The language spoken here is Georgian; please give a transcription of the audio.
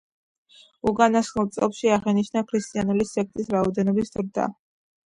უკანასკნელ წლებში აღინიშნა ქრისტიანული სექტების რაოდენობის ზრდა.